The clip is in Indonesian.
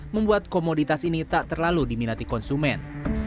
membuat komoditas ini tak terlalu diminati konsumen